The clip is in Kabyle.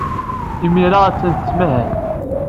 Imir-a, attan tettmahal.